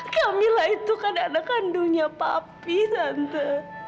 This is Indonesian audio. kamila itu kan anak kandunya papi tante